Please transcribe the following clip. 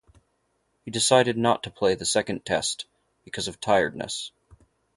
He decided not to play the second Test because of tiredness.